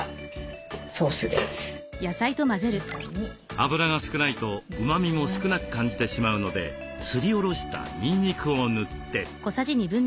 油が少ないとうまみも少なく感じてしまうのですりおろしたにんにくを塗って。